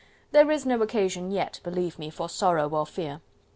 There is no occasion yet, believe me, for sorrow or fear....